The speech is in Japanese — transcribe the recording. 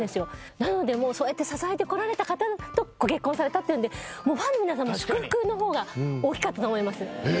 なのでもうそうやって支えてこられた方とご結婚されたっていうのでファンの皆さんは祝福の方が大きかったと思います。